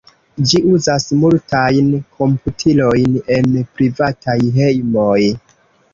Ĝi uzas multajn komputilojn en privataj hejmoj.